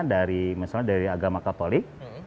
dari agama katolik